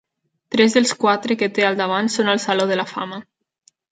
Tres dels quatre que té al davant són al Saló de la Fama.